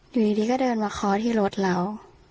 อยู่ดีก็เดินมาคอที่รถเรา